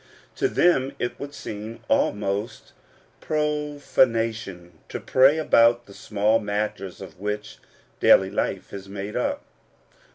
To them it would seem almost a profanation to pray about the small matters of which daily life is made up.